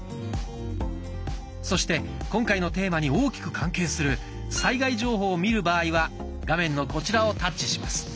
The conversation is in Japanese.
そして今回のテーマに大きく関係する災害情報を見る場合は画面のこちらをタッチします。